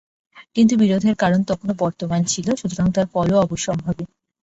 কিন্তু বিরোধের কারণ তখনও বর্তমান ছিল, সুতরাং তার ফলও অবশ্যম্ভাবী।